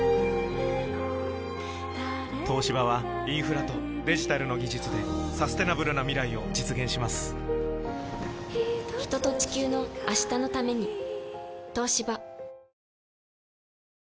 東芝はインフラとデジタルの技術でサステナブルな未来を実現します人と、地球の、明日のために。